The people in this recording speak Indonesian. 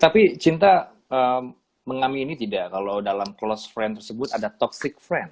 tapi cinta mengamini tidak kalau dalam close friend tersebut ada toxic friend